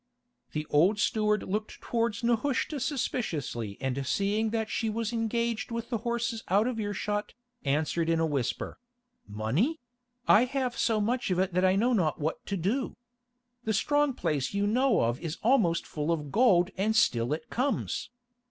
The old steward looked towards Nehushta suspiciously and seeing that she was engaged with the horses out of earshot, answered in a whisper: "Money? I have so much of it that I know not what to do. The strong place you know of is almost full of gold and still it comes.